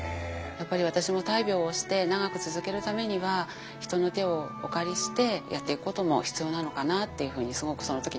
やっぱり私も大病をして長く続けるためには人の手をお借りしてやっていくことも必要なのかなっていうふうにすごくその時に考え直しました。